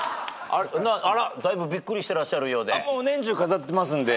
あら？だいぶびっくりしてらっしゃるようで。